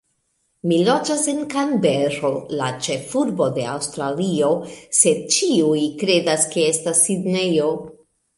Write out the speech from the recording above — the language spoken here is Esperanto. Mi loĝas en Kanbero, la ĉefurbo de Aŭstralio, sed ĉiuj kredas, ke estas Sidnejo!